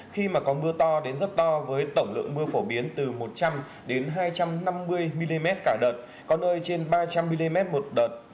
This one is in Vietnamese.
khi mà có mưa to đến rất to với tổng lượng mưa phổ biến từ một trăm linh đến hai trăm năm mươi mm cả đợt có nơi trên ba trăm linh mm một đợt